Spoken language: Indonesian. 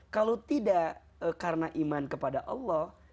kalau tidak karena iman kepada allah